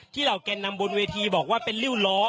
เหล่าแกนนำบนเวทีบอกว่าเป็นริ้วล้อ